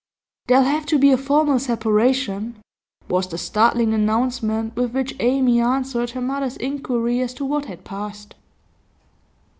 'There'll have to be a formal separation,' was the startling announcement with which Amy answered her mother's inquiry as to what had passed.